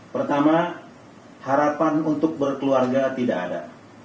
pertama harapan untuk berkeluarga tidak ada